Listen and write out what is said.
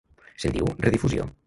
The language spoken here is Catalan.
Se'n diu redifusió.